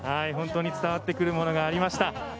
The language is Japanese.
本当に伝わってくるものがありました。